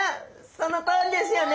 そのとおりですよね。